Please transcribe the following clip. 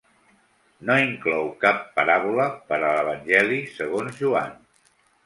No inclou cap paràbola per a l'Evangeli segons Joan.